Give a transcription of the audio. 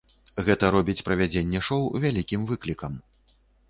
Гэта робіць правядзенне шоу вялікім выклікам.